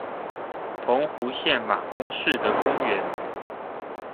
澎湖縣馬公市的公園